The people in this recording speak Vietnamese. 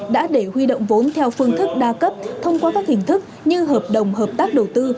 đã để huy động vốn theo phương thức đa cấp thông qua các hình thức như hợp đồng hợp tác đầu tư